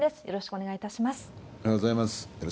よろしくお願いします。